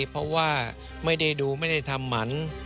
เพราะว่าไม่ได้ดูไม่ได้ทำหมัน